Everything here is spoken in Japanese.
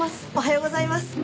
おはようございます。